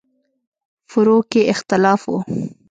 فروع کې اختلاف و.